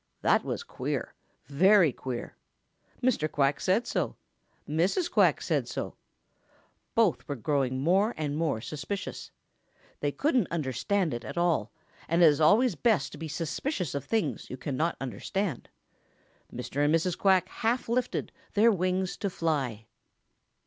That was queer, very queer. Mr. Quack said so. Mrs. Quack said so. Both were growing more and more suspicious. They couldn't understand it at all, and it is always best to be suspicious of things you cannot understand. Mr. and Mrs. Quack half lifted their wings to fly.